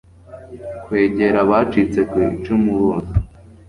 kwegera abacitse ku icumu bose